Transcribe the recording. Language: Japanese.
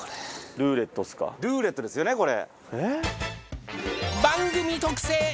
ルーレットですよねこれ。